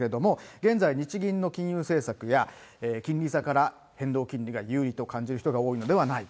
現在は日銀の金融政策や、金利差から変動金利が有利と感じる人が多いのではないか。